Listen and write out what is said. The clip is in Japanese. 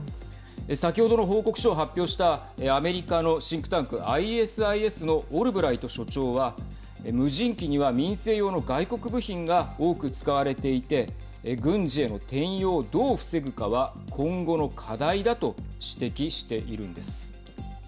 先ほどの報告書を発表したアメリカのシンクタンクはＩＳＩＳのオルブライト所長は無人機には民生用の外国部品が多く使われていて軍事への転用をどう防ぐかは今後の課題だと指摘しているんです。